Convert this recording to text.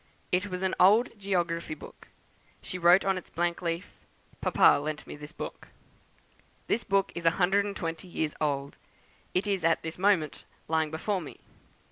It was an old geography book; she wrote on its blank leaf, 'Papa lent me this book.' This book is a hundred and twenty years old; it is at this moment lying before me.